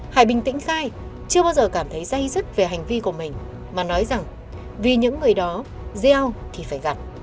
hải bình tĩnh khai chưa bao giờ cảm thấy dây dứt về hành vi của mình mà nói rằng vì những người đó gieo thì phải gặt